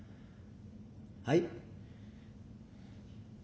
はい？